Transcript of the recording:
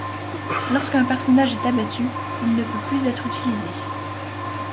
Lorsqu'un personnage est abattu, il ne peut plus être utilisé.